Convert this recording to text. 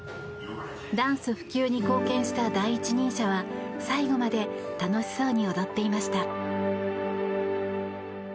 ダンス普及に貢献した第一人者は最後まで楽しそうに踊っていました。